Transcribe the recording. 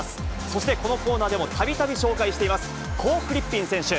そして、このコーナーでもたびたび紹介しています、コー・フリッピン選手。